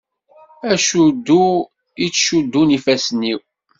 D acuddu i ttcuddun yifassen-iw.